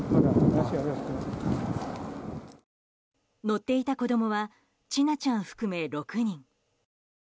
乗っていた子供は千奈ちゃん含め６人。